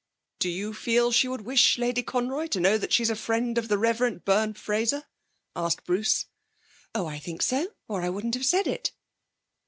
'Do you feel she would wish Lady Conroy to know that she's a friend of the Rev. Byrne Fraser?' asked Bruce. 'Oh, I think so; or I wouldn't have said it.'